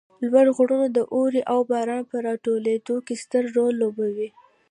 لوړ غرونه د واروې او باران په راټولېدو کې ستر رول لوبوي